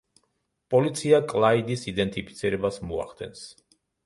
პოლიცია კლაიდის იდენტიფიცირებას მოახდენს.